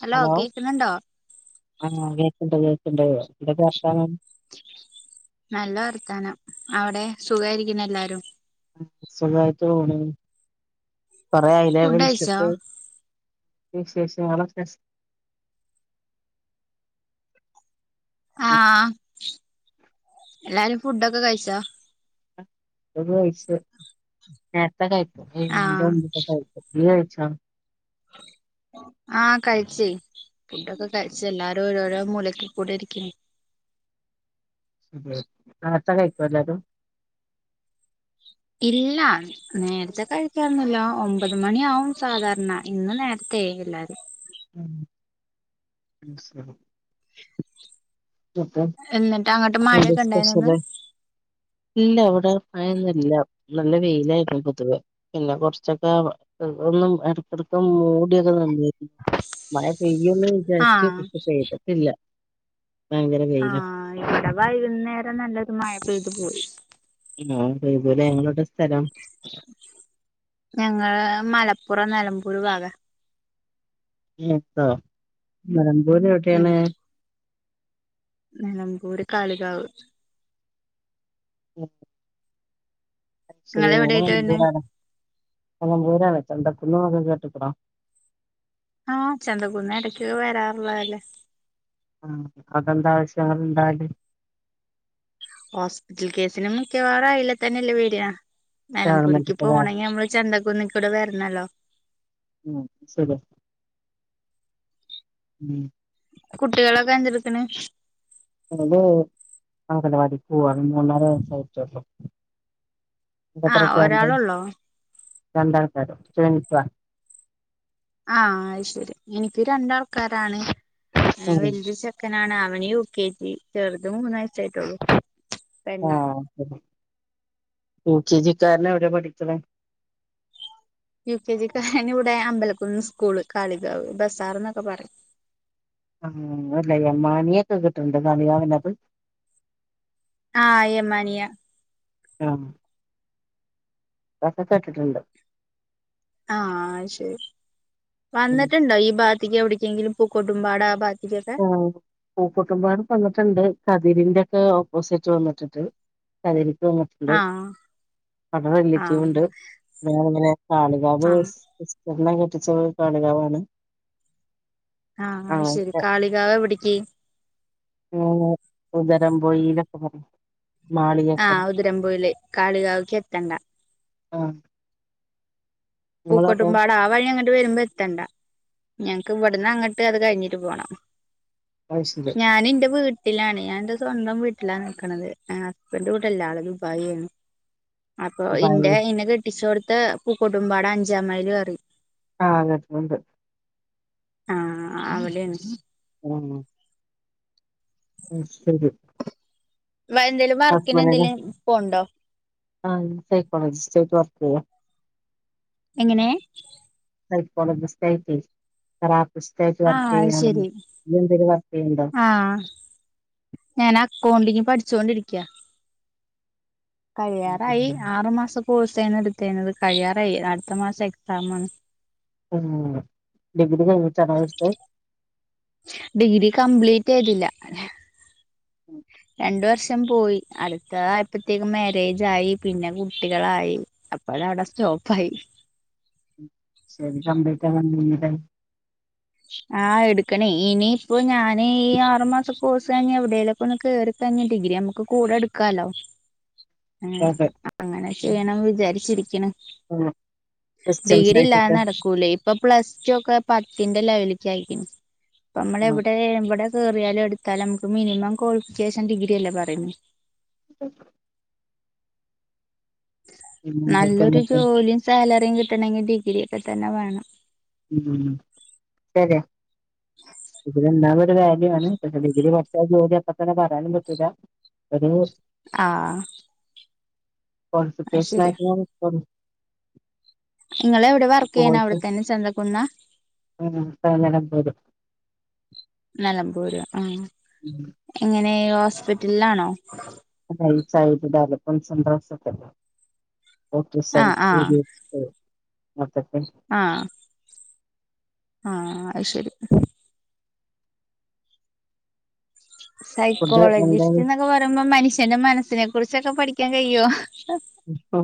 Hello കേക്ക്ണുണ്ടോ ആഹ് കേക്ക്ണ്ട് കേക്ക് ണ്ട് ന്തൊക്കെ വർത്താനം നല്ല വർത്താനം അവിടെ സുഖായിരിക്കുന്നല്ലാരും സുഖായിട്ട് പോണു കൊറെ ആയില്ലേ ഫുഡ് കഴിച്ചോ വിളിചിട്ട് വിശേഷങ്ങളൊക്കെ ഉം ആഹ് എല്ലാരും ഫുഡൊക്കെ കഴിച്ചോ [unintelligible] കഴിച്ചു നേരത്തെ കഴിക്കും ഏഴു മണിന്റെ ആഹ് മുൻപ് ഒക്കെ കഴിക്കും [unintelligible] കഴിച്ചോ ആഹ് കഴിച്ചുയ്‌ ഫുഡൊക്കെ കഴിച്ച എല്ലാരും ഓരോരോ മൂലക്ക കൂടെ ഇരിക്ക്ന് [unintelligible] നേരത്തെ കഴിക്കൊ എല്ലാവരും ഇല്ല നേരത്തെ കഴിക്കാറുന്നില്ല ഒമ്പത് മണി ആവും സാധാരണ ഇന്ന് നേരത്തെ തേ എല്ലാരും [unintelligible] നിക്ക് എന്നിട്ട് അങ്ങോട്ട് ന്താ മഴയൊക്കെ ഉണ്ടായിനോ ഇന്ന് സ്പെഷ്യല് ല്ല വിടെ മയന്നുല്ല നല്ല വെയിലായിപ്പം പൊതുവെ പിന്നെ കൊറച്ചൊക്കെ ഒന്നും എടക്എടക് മൂടിയൊക്കെ നിന്നി മഴ പെയ്യെന്ന് വിചാരിച്ചു ആഹ് പക്ഷ പെയ്തിട്ടില്ല ഭയങ്കര വെയിലാ ആഹ് ഇവിടെ വൈകുന്നേരം നല്ലൊരു മഴപെയ്തുപോയി ആ അതേപോലെ ഞങ്ങളിവിടെ ഞങ്ങള് മല കുറ നിലമ്പൂര് ഭാഗ ന്നിട്ടോ നിലമ്പൂര് ഉം എവിടെയാണ് നിലമ്പൂര് കളികാവ് [unintelligible] നിങ്ങള് ശരിയാണ് എവിടെയായിട്ടാ വരുന്നെ എന്തിനാണ് നിലമ്പൂരാണ് ചന്തക്കുന്ന് കേട്ടുക്കുണോ ആഹ് ചന്തകുന്ന് എടക്ക് വരാറുള്ളല്ലേ ആ അതെന്ത ആവശ്യങ്ങള് ണ്ടാവല് ഹോസ്പിറ്റൽ കേസിനുംമിക്കവാറും അയിലെ തന്നെയല്ലേ വരാ നെലമ്പൂരിക്ക് ഗവൺമെന്റിന്റെതാ പോണെങ്കി നമ്മള് ചന്തക്കുന്നിക്കൂടെ വരണല്ലോ ഉം ശരിയാ ഉം കുട്ടികളൊക്കെ എന്തെടുക്ക്ണ് അങ്കണവാടി പൂവാ അത് മൂന്നര വയസ്സായിറ്റൊള്ളു ആഹ് ഒരാളോള്ളൂ രണ്ടൾണ്കാരൊ [unintelligible] ആഹ് അത്‌ ശരി എനിക്ക് രണ്ടാൾക്കാരാണ് ഉം വലിത് ചെക്കൻ നാണ് അവന് യു കെ ജി ചെറുത് മൂന്ന് വയസായിട്ടുള്ളു ആഹ് [unintelligible] യു കെ ജിക്കാരന് എവിടെ പഠിക്കണ് യു കെ ജി ക്കാരന് ഇവിടെ അമ്പലക്കുന്ന് സ്കൂള് കാളികാവ് ബസാർന്നൊക്കെ പറയും ആ അല്ല മനിയൊക്കെ കിട്ടണ്ട് കാളികാവ് ആഹ് യ്യമാനിയ ആ കസച്ചട്ടിട്ടുണ്ട് ആഹ് ശരി ഉം വന്നിട്ടുണ്ടോ ഈ ഭാ ക്കെവിക്കെങ്കിലും പൂക്കോടുംമ്പാടാഭാ ആ പൂകൊട്ടുമ്പാടം വന്നിട്ട്ണ്ട് ഇതിന്റെക്കെ ഓപ്പോസിറ്റ് വന്നിട്ടുണ്ട് കലരിക്ക് വന്നിട്ടുണ്ട് ആഹ് ആഹ് അവ്ട്പാലിയെറ്റീവ്ണ്ട് ഞങ്ങള്ങ്ങനെ കാളികാവ് ആഹ് സിസ്റ്ററിനെ പഠിച്ചത് കാളികാവാണ്. ആ ആഹ് ശെരി കാളികാവ് എവിടിക്കി ഉ ഉദരം പോയിനൊക്കെ പറിം ആ ഉതിരംമ്പൂല് കാളികാവക്കെത്തണ്ട ആഹ് നിങ്ങളവിടെ പൂക്കോട്ടുംപാട ആ വഴി അങ്ങനെ വരുമ്പോ എത്തണ്ട ഞങ്ങക്കവിടന്ന് അങ്ങട്ട് അത് കഴിഞ്ഞിട്ട് പോണം അത് ശരി ഞാൻന്റെ വീട്- വീട്ടിലാണ് ഞാൻന്റെ സ്വന്തം വീട്ടിലാ നിക്കണത് എ ഹസ്ബെന്റിവടല്ല ആള് ദുബായിയാണ്. അപ്പൊ ഇന്റെ ഇന്നെ കെട്ടിചോട്‌ത്ത് പൂക്കടുംമ്പാട അഞ്ചാമൈൽ പറിയിം ആഹ് കേട്ടിട്ട്ണ്ട് ആഹഹ് അവിടേണ് ഉം അയ് ശരി വ എന്തേലും വർക്കിന് എന്തിനെലും പോണ്ടോ ആ സൈക്കോളജിസ്റ്റ് ആയിട്ട് വർക്കിയ്യ എങ്ങനേ സൈക്കോളജിസ്റ്റയിറ്റയ് തെറാപ്പിസ്റ്റായിട്ട് ആഹ് അത് വർക്കിയ്യാണ്ന്ന് ശരി ഇയ്യെന്തെലുംവർക്ക് ആഹ് ഞാൻ അക്കൗണ്ടിങ് പഠിച്ചുകൊണ്ടിരിക്കയാ കഴിയാറായി ആറു മാസം കോഴ്സ്ന്ന് എടുതിരുന്നത് കഴിയാറായി അടുത്ത മാസം എക്സാമാണ് ഉം ഡിഗ്രി കഴിഞ്ഞട്ടാണോ അത് എടുത്തത് ഡിഗ്രി കംപ്ലീറ്റ്യ്തില്ല രണ്ട് വർഷം പോയി അടുത്തതായപ്പത്തേക്കും മാരേജായി പിന്നെ കുട്ടികളായി അപ്പോഴ വിടെ സ്റ്റോപ്പായി ശരി കംപ്ലീട്ടാവാനിന്നിലെ ആ എടുക്കണേ ഇനിയിപ്പോ ഞാന് ഈ ആറുമാസ കോഴ്സ്ഴിഞ്ഞ എവിടേലൊക്ക ഒന്ന് കേറി ഞ് ഡിഗ്രി നമുക്ക് കൂടെ എടുക്കാലോ അങ്ങനെ അതെ അങ്ങനെ ചെയ്യണം വിചാരിച്ചിരിക്ക്‌ണ് ആഹ് സിസ്റ്റംസ് ഡിഗ്രില്ലാതെ ആയിട്ടൊക്കെ നടക്കൂലേയ് ഇപ്പം പ്ലസ് ടു ഒക്കെ പത്തിന്റെ ലെവലക്കായിക്ക്ണ് ആ അപ്പമ്മ്ളെവിടേ ഇവിടെ കേറിയാലും എടുത്താലും നമുക്ക് മിനിമം ക്വാളിഫിക്കേഷൻ ഡിഗ്രി അല്ലേ പറയുന്ന്. ഉക് നല്ലൊരു പിന്നെന്തൊക്കെന്നൊക്കെ ജോലിയും സാലറിയും കിട്ടണങ്കിൽ ഡിഗ്രിയൊക്കെതന്നെ വേണം. ഉം ശരിആ വാല്യു ആണ് പക്ഷെ ഡിഗ്രി പഠിച്ചാ ജോലി അപ്പതന്നെ പറയാനും പറ്റൂല്ല ഒരു ആ ക്വാളിഫിക്കേഷൻ ആയിട്ട നിങ്ങളെവിടെ വർക്ക്യ്യണ അവിടെത്തന്നെ ചന്തക്കുന്നാ ഉം കടല പോരും പോരാ ആഹ് ഉം ന്നെ ഹോസ്പിറ്റലിലാണോ [unintelligible] ആഹ് ആഹ് [unintelligible] ആഹ് ആഹ് അഹ് ശെരി ഫുഡ് എന്താണ് സൈക്കോളജിസ്റ്റ് ന്നൊക്കെ പറയുമ്പോ മനുഷ്യന്റെ മനസ്സിനെ കുറിച്ചൊക്കെ പഠിക്കാൻ കഴിയോ? ഹ്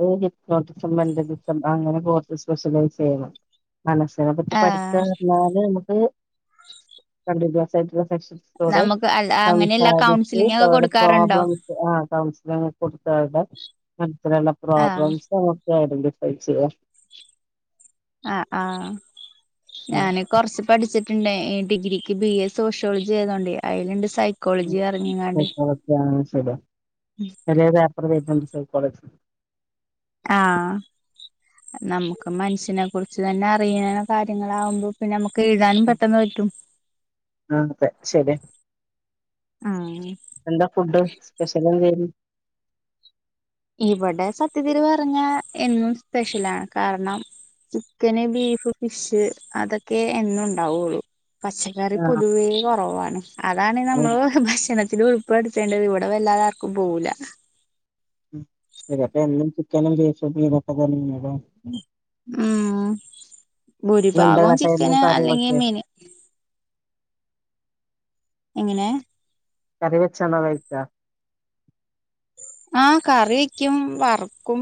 ഹാ ഡിപ്നോട്ടിസം മെന്റലിസം അങ്ങനെ [unintelligible] സ്പെഷ്യലൈസ് ചെയ്യണം മനസിനെപറ്റി പഠിക്കാ ആഹ് പർഞ്ഞാല് നമുക്ക് കണ്ടിന്യുസ് ആയിട്ട് [unintelligible] നമുക്ക് അല്ല അങ്ങനെയല്ല സംസാരിച്ച് കൗൺസിലിംഗ് ഒക്കെ അവരുടെ കൊടുക്കാറുണ്ടോ പ്രോബ്ലംസ് ആഹ് കൗൺസിലിംഗ് കൊ ടെ മനസ്സില്ള്ള ആഹ് പ്രോബ്ലംസൊക്കെ ഐഡന്റി ഫൈ ചെയ്യാ ആഹ് ആഹ് ഞാന് കൊർച്ച് പഠിച്ചി ച്ചിട്ട്ണ്ടെ ഈ ഡിഗ്രിക്ക് ബി എ സോഷ്യോളജി ആയതോണ്ട് അയ്ല്ണ്ട് സൈ [unintelligible] റ്റുലെ പലെ പേപ്പറ് വേര്ന്ണ്ട് സൈകോളജി ആഹ് നമുക്ക് മനുഷ്യനെ കുറിച്ച് തന്നെ അറിയ്ണ കാര്യങ്ങളാകുമ്പ പിന്നെ നമു എഴ്താനും പെട്ടെന്ന് പറ്റും ആഹ് ശര്യ ആഹ് എന്താ ഫുഡ് സ്പെഷ്യല് എന്തെയ്ര്ന്നു ഇവടെ സത്യത്തില് പർഞാ എന്നും സ്പെഷ്യലാണ് കാരണം ചിക്കന്, ബീഫ്, ഫിഷ്, അതൊക്കെ എന്നും ഉണ്ടാവോള്ളു പച്ചക്കറി ആ പൊതുവേ കോറവാണ് അതാണ് ആ, നമ്മള് ഭക്ഷണത്തി ത്തില് ഉൾപ്പെടുത്തേണ്ടത് ഇവിടെ വല്ലാതെ ആർക്കും പോവൂല ഉം എന്നും ചിക്കനും, ബീഫും തീമട്ടതന്നെ ല്ലേ ഉം എന്താ ഭൂരിഭാഗവും കട്ടായിരുന്നു ചിക്കന്, കറി അല്ലെങ്കി വെക്കേ മീന് എങ്ങനെ കറിവെച്ചാണോ കഴിക്കാ ആഹ് കറിവെക്ക്യും വറക്കും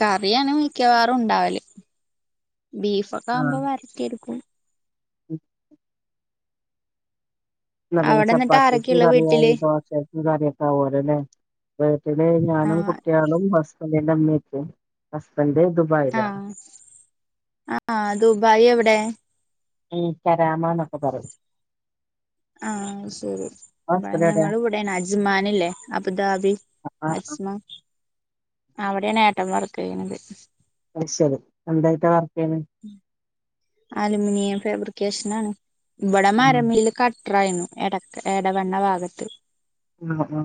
കറിയാണ് മിക്കവാറും ഉണ്ടാവല് ബീഫൊക്കാവുമ്പോ വരട്ടി എട്ക്കും ഉം എന്നാ പിന്നെ അവിടെ എന്നിട്ട് ചപ്പാത്തിക്കും ആരൊക്കെയുള്ള കറിയായി വീട്ടില് ദോശ ഉം കറിയൊക്കാവോലല്ലെ വീട്ടില് ഞാനും ആഹ് കുട്ട്യാളും ഹസ്ബൻ ഡിന്റെ ഇമ്മിം ഇപ്പിം ഹസ് ആഹ് ആഹ് ദുബായ് എവിടെ ഉം പരാമന്നൊക്ക പറിം ആഹ് ശരി ഇബയ് ഹസ്ബൻഡ് എവിടെയാ ഞങ്ങള് ഇവിടേണ് അജ്മാന്ല്ലേ അബുദാബി ആഹ് ആഹ് അജ്മ അവിടെയാണ് ഏട്ടൻ വർക്കെയ്യ്ണത് അത്ശരി എന്തായിട്ടാ വർക്കെയ്യ്ണെ അലൂമിനിയം ഫേബ്രിക്കേഷനാണ് ഇവിടെ ആഹ് മരമില്ല് ക ട്ട്രായിരുന്നു എടക്ക എടവണ്ണ ഭാഗത്ത് ഉം ആഹ്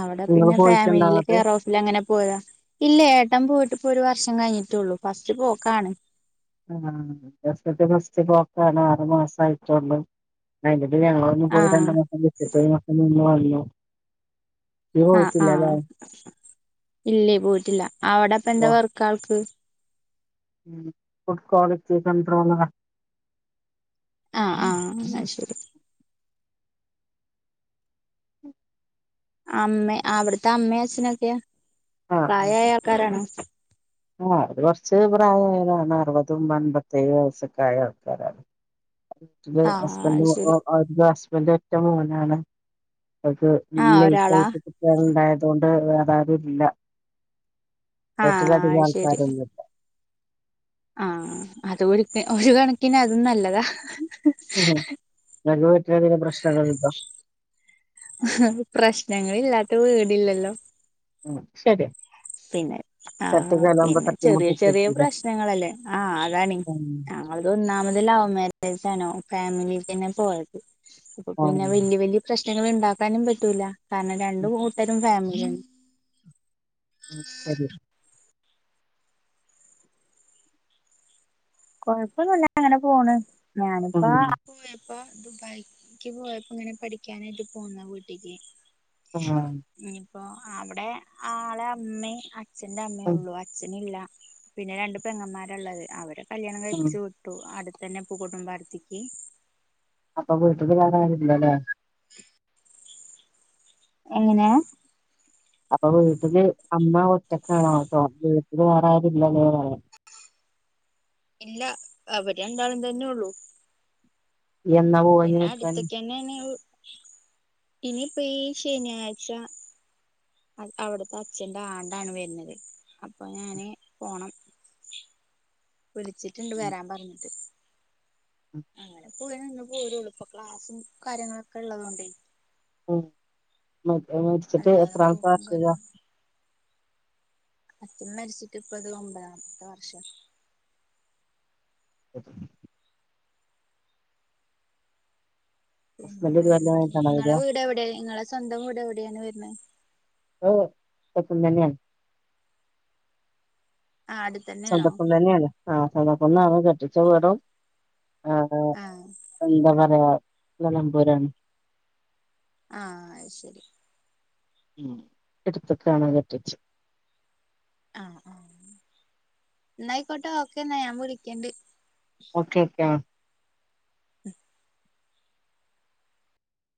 അവിടെ നിങ്ങള് പിന്നെ പോയിട്ടുണ്ടോ ഫാമിലിലെ അങ്ങട്ട് കെയറോഫിലങ്ങനെ പോയാ ഇല്ലേ ഏ ട്ടൻ പോയിട്ട് ഇപ്പൊ ഒരു വർഷം കഴിഞ്ഞ്ട്ടോള്ളൂ ഫസ്റ്റ് പോക്കാണ് ആഹ് ഇന്റെ ഹസ്ബൻഡും ഫസ്റ്റ് പോക്കാണ് ആറു മാസായിട്ടോള്ളൂ അയിന്റെ ടേല് ഞങ്ങളൊന്ന് പോയി ആഹ് രണ്ടു മാസം വിസിറ്റായി ഈ മാസം നിന്ന് വന്നു ഇയ്യ് ആഹ് പോയിട്ടില്ലല്ലേ ആഹ് ഇല്ലേ പോയിട്ടില്ലാ പോ അവിടെപ്പന്താ വർക്കാൾക്ക് ഉം ഫുഡ് ക്വാളിറ്റി കൺഡ്രോളറാ ആഹ് ആഹ് എന്നാ ശരി അമ്മേ അവിട്ത്തെ അമ്മേ അച്ഛനൊക്കെയാ ആഹ് ആഹ് പ്രായായ ആൾക്കാരാണോ ആഹ് അവര് കൊറച്ച് പ്രായാ ആയോലാണ് അറുപതും അൻപത്തേഴും വയൊസ്സക്കായ ആൾക്കാരാണ് വീട്ടില് ആഹ് അത് ഹസ്ബൻഡും ഓ ശരി അത് ഹസ്ബൻഡ് ഒറ്റ മോനാണ് ആഹ് ഒരാളാ [unintelligible] വേറാരും ഇല്ല അ ആഹ് ആൾക്കാരൊന്നല്ല ആഹ അത് ഒരു കണക്കിന് അതും നല്ലതാ ഉ നൽക വറ്റധിലെ പ്രശ്നങ്ങൾുണ്ടോ പ്രശ്നങ്ങില്ലാത്ത വീടില്ലല്ലോ ഉ ശരി പിന്നെ ചട്ടി ആഹ കലാകുമ്പോ പിന്നെ ചെറിയ ചെറിയ തട്ടിമുട്ടിക്കില്ല പ്രശ്നങ്ങളല്ലേ ആഹ അതാണീ ഞങ്ങത് ഒന്നാമതില ആാവേ ാണോ ഫാമിലി തന്നെ പോയത് അപ്പൊ പിന്നെ വലിയ വല പ്രശ്ന കുങ്ങൾ ഉണ്ടാക്കാനും പറ്റൂല കാരണം രണ്ടും കൂട്ടരും ഫാമിലിയാണ് അ ശ കൊഴപ്പൊന്നുമല്ല എങ്ങനെ പോണ് ഞാനിപ്പ ഉം. ഇപ്പ ദുബായക്ക് പോയപ്പോ ഇങ്ങനെ പഠിക്കാനായിട്ട് പോന്നോ വീട്ടിക്ക് ഉ അപ്പൊ അവിടെ ആളെ അമ്മേ അച്ഛന്റെ അമ്മേ ഉം. ഉള്ളൂ അച്ഛന ഇല്ല പിന്നെ രണ്ട് പെങ്ങന്മാരുള്ളത് അവരെ കല്യാണം ഉം. കഴിപ്പിച്ച് വിട്ടു അടുത്ത തന്നെ പൂകോട്ടും വാർത്തിക്ക് അപ്പൊ വീട്ടില് വറ കില്ലല്ലേ എങ്ങനെ അപ്പൊ വീട്ടില് അമ്മ ഒറ്റക്കാണട്ടോ വീട്ടില് വേറെ ആരില്ലല്ലേ പറയാ ഇല്ല അവര്ന്താളും തന്നെ ഉള്ളു എന്നാ പോവാഞ്ഞ നിക്കാനാന് ഇനിപ്പോ ശനിയാഴ്ച അവിടത്തെ അച്ഛന്റെ ആണ്ടാണ് വരുന്നത് അപ്പൊ ഞാന് പോണം [unintelligible] വിളിച്ചിട്ടുണ്ട് വരാൻ പറഞ്ഞിട്ട് ഉ പ്പോ ഇന്നന്ന് പോരുള്ളൂ ഇപ്പൊ ക്ലാസ്സും കാര്യങ്ങളൊക്കെ ഉള്ളത കൊണ്ടേ ഉ മരിച്ചിട്ട് അല്ലാതെ എത്ര പോക്കും ആൾക്ക്ഷ്യ കാര്യങ്ങളും അച്ഛൻ മരിച്ചിട്ട് ഇപ്പത് ഒമ്പതാത്തെ വർഷം ഓ പിന്നെ ഹസ്ബൻഡ് ഒരു വേറെ കൊല്ലമായിട്ടാണോ വരിക നിങ്ങളടെ വീട് എവിടെയ നിങ്ങളെ സ്വന്തം വീട് എവിടെയാണ് വരണ ഓ സപ്പന്തന്ന ആ അടുത്തന്നെയാണോ സ്വന്തപ്പം തന്നെയാണ് ആ സ്വന്തപ്പംാണ് കെട്ടിച്ച വേറും ആഏർ ആ എന്താ പറയാ മലമ്പൂരാണ് ആഹ അത് ശരി ഉ എടുത്ത കാണാൻ പറ്റിച്ച ആഹ ആഹ എന്നായിക്കോട്ടെ ഓക്കെ എന്നാ ഞാൻ വിളിക്കണ്ട് ഓക്കെ ഓക്കെ ഉ